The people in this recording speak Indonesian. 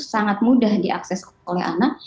sangat mudah diakses oleh anak